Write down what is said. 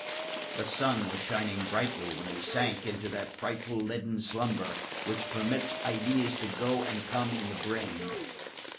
The sun was shining brightly when he sank into that frightful leaden slumber which permits ideas to go and come in the brain.